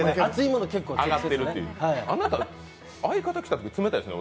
あなた、相方が来たら冷たいですね。